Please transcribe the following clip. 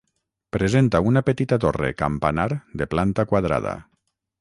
Presenta una petita torre campanar de planta quadrada.